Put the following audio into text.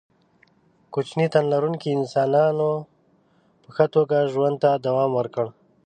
کوچني تن لرونکو انسانانو په ښه توګه ژوند ته دوام ورکړ.